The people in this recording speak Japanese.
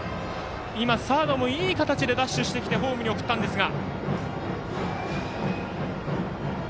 今、サードもいい形でダッシュしてきてホームに送ったんですが。